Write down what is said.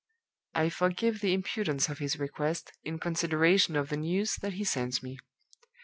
"I forgive the impudence of his request, in consideration of the news that he sends me.